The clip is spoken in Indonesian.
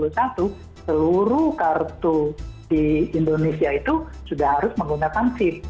seluruh kartu di indonesia itu sudah harus menggunakan sip